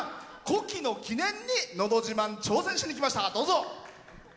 古希の記念に「のど自慢」挑戦しにきました。